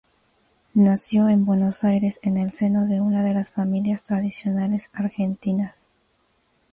Nació en Buenos Aires en el seno de una de las familias tradicionales argentinas.